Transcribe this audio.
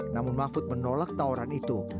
namun mahfud menolak tawaran itu